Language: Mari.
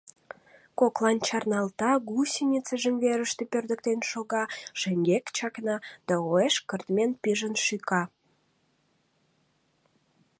Коклан чарналта, гусеницыжым верыште пӧрдыктен шога, шеҥгек чакна да уэш кыртмен пижын шӱка.